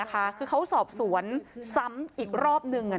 คือเขาสอบสวนซ้ำอีกรอบนึง